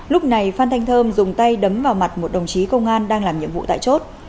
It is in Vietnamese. lúc này phan thanh thơm dùng tay đấm vào mặt một đồng chí công an đang làm nhiệm vụ tại chốt